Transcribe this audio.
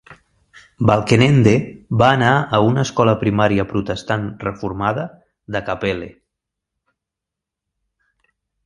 Balkenende va anar a una escola primària protestant reformada de Kapelle.